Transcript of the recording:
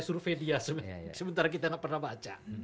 survei dia sementara kita nggak pernah baca